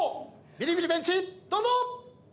ビリビリベンチどうぞ！